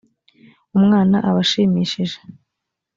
umwana abashimishije.